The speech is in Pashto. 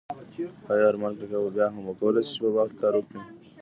ایا ارمان کاکا به بیا هم وکولای شي په باغ کې کار وکړي؟